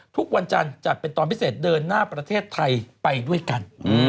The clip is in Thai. ทุกวันจันทร์จัดเป็นตอนพิเศษเดินหน้าประเทศไทยไปด้วยกัน